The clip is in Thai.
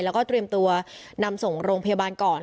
แล้วก็เตรียมตัวนำส่งโรงพยาบาลก่อน